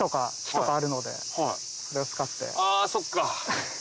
あそっか。